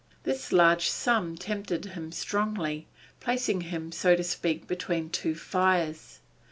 This large sum tempted him strongly, placing him, so to speak, between two fires.